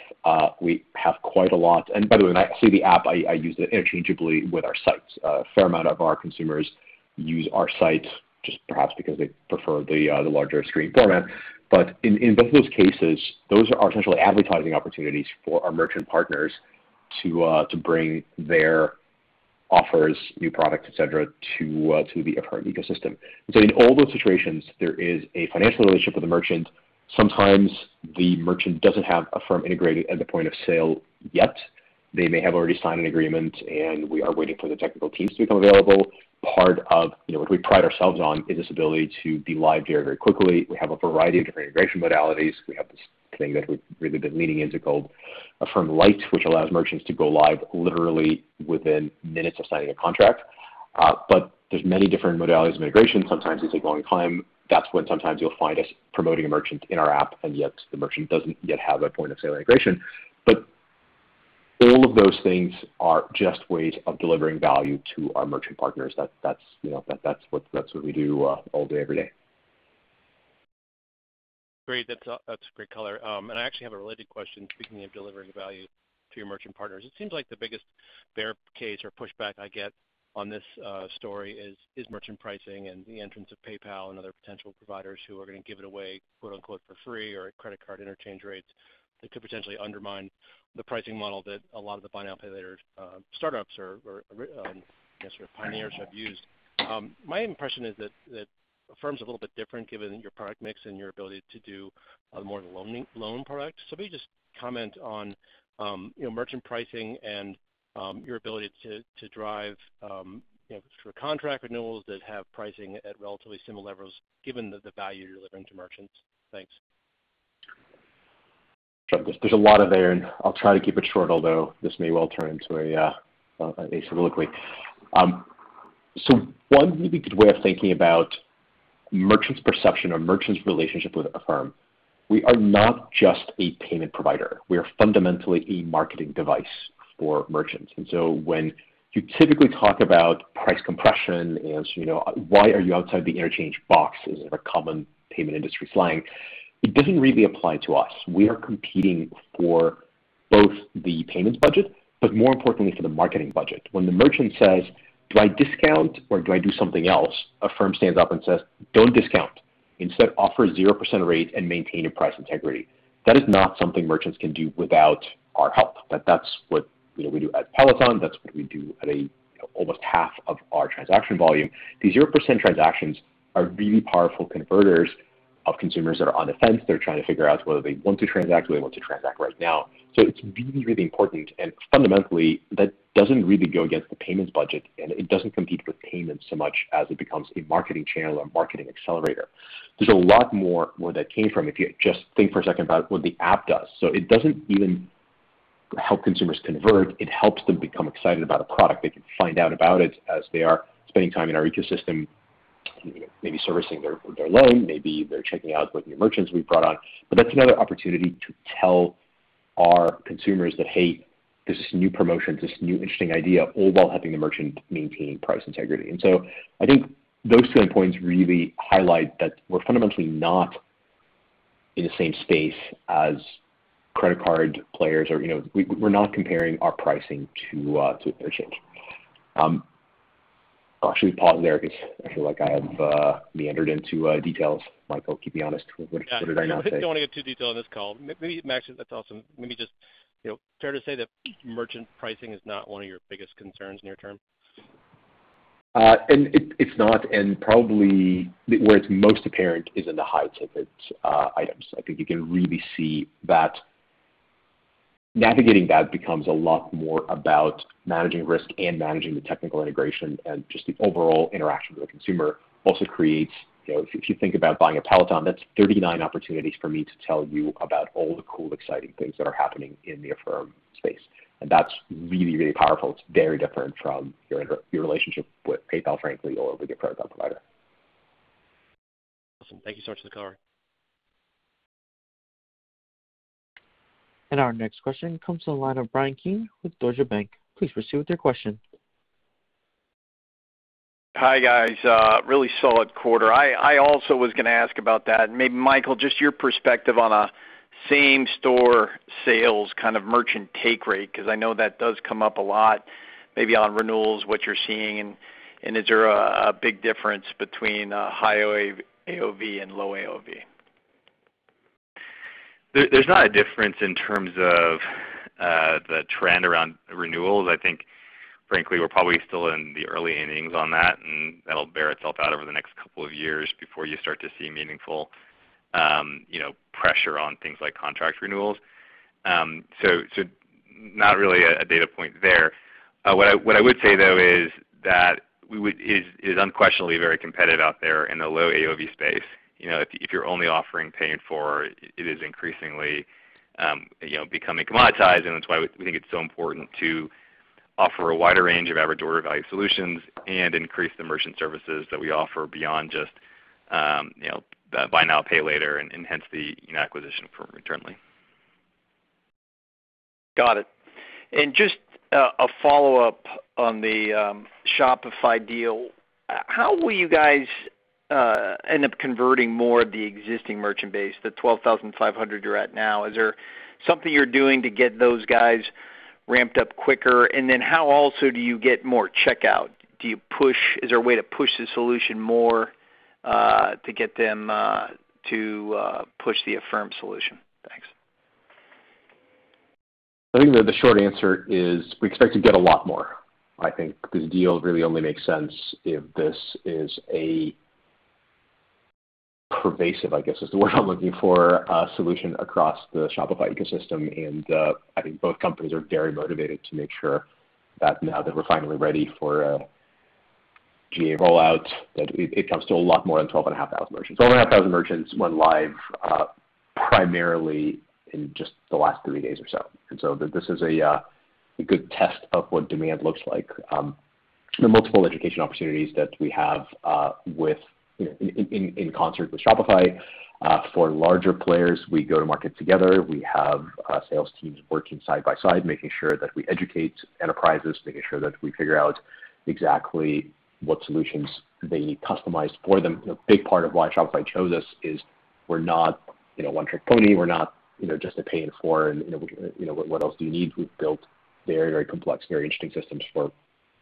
we have quite a lot. By the way, when I say the app, I use it interchangeably with our sites. A fair amount of our consumers use our sites just perhaps because they prefer the larger screen format. In both of those cases, those are essentially advertising opportunities for our merchant partners to bring their offers, new product, et cetera, to the Affirm ecosystem. In all those situations, there is a financial relationship with the merchant. Sometimes the merchant doesn't have Affirm integrated at the point of sale yet. They may have already signed an agreement, and we are waiting for the technical teams to become available. Part of what we pride ourselves on is this ability to be live very, very quickly. We have a variety of different integration modalities. We have this thing that we've really been leaning into called Affirm Lite, which allows merchants to go live literally within minutes of signing a contract. There's many different modalities of integration. Sometimes these take a long time. That's when sometimes you'll find us promoting a merchant in our app, and yet the merchant doesn't yet have that point-of-sale integration. All of those things are just ways of delivering value to our merchant partners. That's what we do all day, every day. Great. That's a great color. I actually have a related question, speaking of delivering value to your merchant partners. It seems like the biggest bear case or pushback I get on this story is merchant pricing and the entrance of PayPal and other potential providers who are going to give it away for free or at credit card interchange rates that could potentially undermine the pricing model that a lot of the buy now, pay later startups or I guess sort of pioneers have used. My impression is that Affirm's a little bit different given your product mix and your ability to do more of the loan product. Maybe just comment on merchant pricing and your ability to drive sort of contract renewals that have pricing at relatively similar levels given the value you're delivering to merchants. Thanks. There's a lot of there, and I'll try to keep it short, although this may well turn into a soliloquy. One really good way of thinking about merchant's perception or merchant's relationship with Affirm. We are not just a payment provider. We are fundamentally a marketing device for merchants. When you typically talk about price compression as why are you outside the interchange box is a common payment industry slang, it doesn't really apply to us. We are competing for both the payments budget, but more importantly for the marketing budget. When the merchant says, Do I discount or do I do something else? Affirm stands up and says, Don't discount. Instead, offer 0% rate and maintain your price integrity. That is not something merchants can do without our help. That's what we do at Peloton. That's what we do at almost half of our transaction volume. The 0% transactions are really powerful converters of consumers that are on the fence. They're trying to figure out whether they want to transact, whether they want to transact right now. It's really, really important, and fundamentally, that doesn't really go against the payments budget, and it doesn't compete with payments so much as it becomes a marketing channel or marketing accelerator. There's a lot more where that came from if you just think for a second about what the app does. It doesn't even help consumers convert. It helps them become excited about a product. They can find out about it as they are spending time in our ecosystem, maybe servicing their loan, maybe they're checking out what new merchants we've brought on. That's another opportunity to tell our consumers that, hey, this is a new promotion, this new interesting idea, all while helping the merchant maintain price integrity. I think those two end points really highlight that we're fundamentally not in the same space as credit card players. We're not comparing our pricing to interchange. I'll actually pause there because I feel like I have meandered into details. Michael, keep me honest. What did I not say? Don't want to get too detailed on this call. Maybe, Max, that's awesome. Maybe just fair to say that merchant pricing is not one of your biggest concerns near term. It's not, probably where it's most apparent is in the high-ticket items. I think you can really see that navigating that becomes a lot more about managing risk and managing the technical integration, and just the overall interaction with the consumer also creates, if you think about buying a Peloton, that's 39 opportunities for me to tell you about all the cool, exciting things that are happening in the Affirm space. That's really, really powerful. It's very different from your relationship with PayPal, frankly, or with your protocol provider. Awesome. Thank you so much for the color. Our next question comes to the line of Bryan Keane with Deutsche Bank. Please proceed with your question. Hi, guys. A really solid quarter. I also was going to ask about that. Maybe Michael, just your perspective on a same-store sales merchant take rate, because I know that does come up a lot, maybe on renewals, what you're seeing, and is there a big difference between high AOV and low AOV? There's not a difference in terms of the trend around renewals. I think frankly, we're probably still in the early innings on that, and that'll bear itself out over the next couple of years before you start to see meaningful pressure on things like contract renewals. Not really a data point there. What I would say, though, is that it is unquestionably very competitive out there in the low AOV space. If you're only offering y in 4, it is increasingly becoming commoditized, and that's why we think it's so important to offer a wider range of average order value solutions and increase the merchant services that we offer beyond just buy now, pay later, and hence the acquisition for Returnly. Got it. Just a follow-up on the Shopify deal. How will you guys end up converting more of the existing merchant base, the 12,500 you're at now? Is there something you're doing to get those guys ramped up quicker? How also do you get more checkout? Is there a way to push the solution more to get them to push the Affirm solution? Thanks. I think the short answer is we expect to get a lot more. I think this deal really only makes sense if this is a pervasive, I guess is the word I'm looking for, solution across the Shopify ecosystem. I think both companies are very motivated to make sure that now that we're finally ready for GA rollout, that it comes to a lot more than 12,500 merchants. 12,500 merchants went live primarily in just the last 30 days or so. This is a good test of what demand looks like. There are multiple education opportunities that we have in concert with Shopify. For larger players, we go to market together. We have sales teams working side by side, making sure that we educate enterprises, making sure that we figure out exactly what solutions they need customized for them. A big part of why Shopify chose us is we're not a one-trick pony. We're not just a pay in four, and what else do you need? We've built very complex, very interesting systems for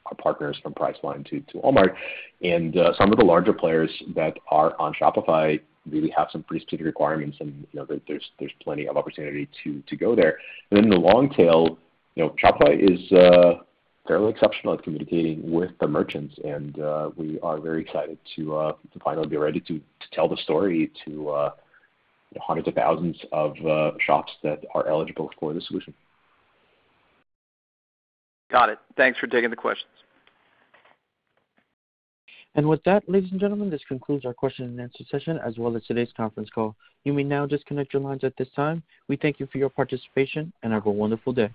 our partners from Priceline to Walmart. Some of the larger players that are on Shopify really have some pretty specific requirements, and there's plenty of opportunity to go there. In the long tail, Shopify is fairly exceptional at communicating with the merchants, and we are very excited to finally be ready to tell the story to hundreds of thousands of shops that are eligible for the solution. Got it. Thanks for taking the questions. With that, ladies and gentlemen, this concludes our question-and-answer session, as well as today's conference call. You may now disconnect your lines at this time. We thank you for your participation, and have a wonderful day.